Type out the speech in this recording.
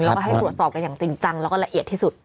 แล้วก็ให้ตรวจสอบกันอย่างจริงจังแล้วก็ละเอียดที่สุด